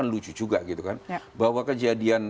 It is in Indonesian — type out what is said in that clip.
lucu juga bahwa kejadian